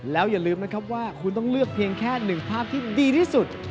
แล้วอย่าลืมนะครับว่าคุณต้องเลือกเพียงแค่หนึ่งภาพที่ดีที่สุด